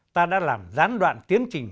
ta đã làm gián đoạn tiến trình